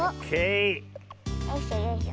よいしょよいしょ。